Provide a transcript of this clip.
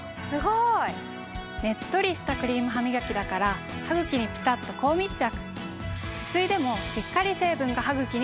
ねっとりしたクリームハミガキだからハグキにピタッと高密着。